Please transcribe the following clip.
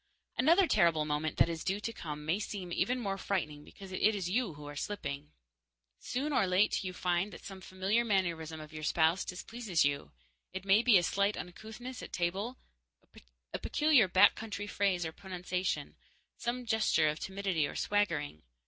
Another terrible moment that is due to come may seem even more frightening because it is you who are slipping. Soon or late you find that some familiar mannerism of your spouse displeases you. It may be a slight uncouthness at table, a peculiar back country phrase or pronunciation, some gesture of timidity or swaggering.